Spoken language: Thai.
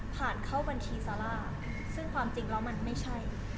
เข้าบัญชีซาร่าซึ่งความจริงแล้วมันไม่ใช่